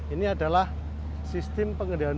ini adalah sistem pengendalian